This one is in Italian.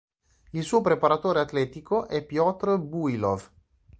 Il suo preparatore atletico è Pyotr Buylov.